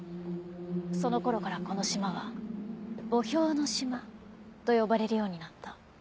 その頃からこの島は「墓標の島」と呼ばれるようになった。